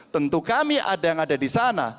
tentu kami ada yang ada di sana